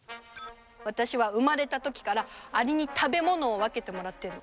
私は生まれたときからアリに食べ物を分けてもらってる。